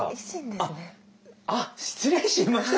ああっ失礼しました。